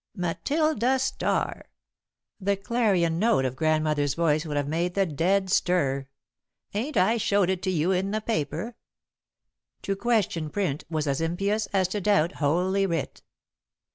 "Matilda Starr!" The clarion note of Grandmother's voice would have made the dead stir. "Ain't I showed it to you, in the paper?" To question print was as impious as to doubt Holy Writ.